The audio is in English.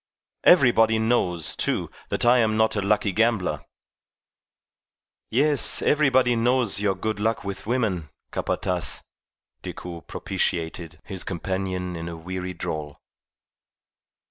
Everybody knows, too, that I am not a lucky gambler." "Yes, everybody knows of your good luck with women, Capataz," Decoud propitiated his companion in a weary drawl.